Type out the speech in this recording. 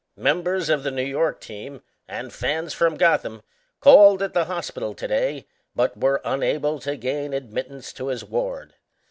Members of the New York team and fans from Gotham called at the hospital to day, but were unable to gain admittance to his ward.